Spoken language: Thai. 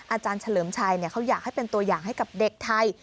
อาจารย์เฉลิมชัยเขาอยากให้เป็นตัวอย่างให้กับเด็กไทย